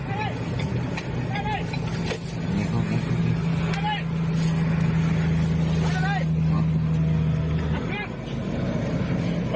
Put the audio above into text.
ครับ